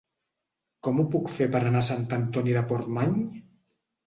Com ho puc fer per anar a Sant Antoni de Portmany?